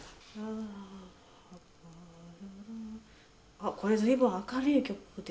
あっこれ随分明るい曲ですね。